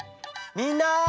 みんな！